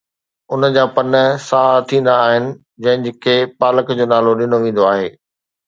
ان جا پن سائا ٿيندا آهن، جنهن کي پالڪ جو نالو ڏنو ويندو آهي.